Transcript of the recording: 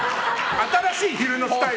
新しい昼のスタイル。